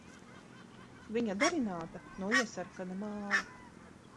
Viņa darināta no iesarkana māla.